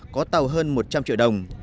có tàu hơn một trăm linh triệu đồng